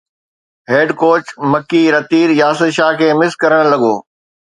head coach Mickey Arthur Yasir Shah کي miss ڪرڻ لڳو